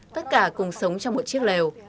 tất cả cùng sống trong một chiếc lèo